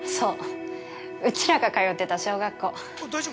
うちらが通ってた小学校。